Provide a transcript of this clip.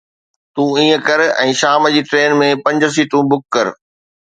تون ائين ڪر ۽ شام جي ٽرين ۾ پنج سيٽون بک ڪر.